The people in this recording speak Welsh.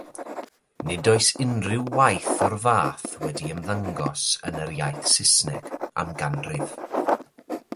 Nid oes unrhyw waith o'r fath wedi ymddangos yn yr iaith Saesneg am ganrif.